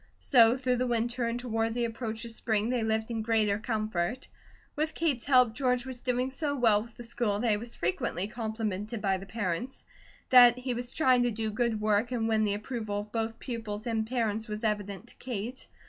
So through the winter and toward the approach of spring they lived in greater comfort. With Kate's help, George was doing so well with the school that he was frequently complimented by the parents. That he was trying to do good work and win the approval of both pupils and parents was evident to Kate.